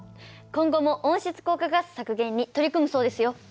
今後も温室効果ガス削減に取り組むそうですよ。